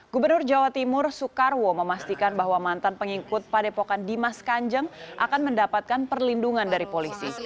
gubernur jawa timur soekarwo memastikan bahwa mantan pengikut padepokan dimas kanjeng akan mendapatkan perlindungan dari polisi